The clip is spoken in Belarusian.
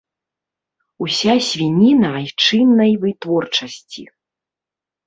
Уся свініна айчыннай вытворчасці.